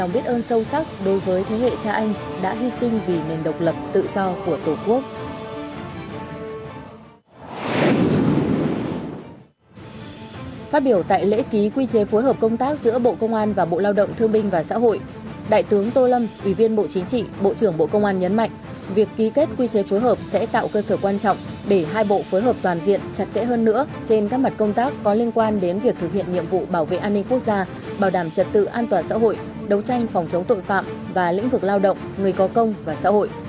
bộ công an nhấn mạnh việc ký kết quy chế phối hợp sẽ tạo cơ sở quan trọng để hai bộ phối hợp toàn diện chặt chẽ hơn nữa trên các mặt công tác có liên quan đến việc thực hiện nhiệm vụ bảo vệ an ninh quốc gia bảo đảm trật tự an toàn xã hội đấu tranh phòng chống tội phạm và lĩnh vực lao động người có công và xã hội